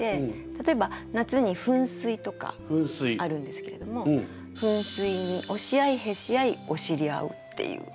例えば夏に「噴水」とかあるんですけれども「噴水におしあいへしあいおしりあう」っていう。